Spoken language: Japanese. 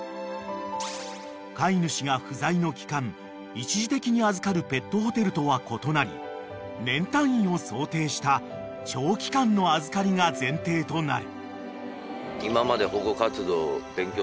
一時的に預かるペットホテルとは異なり年単位を想定した長期間の預かりが前提となる］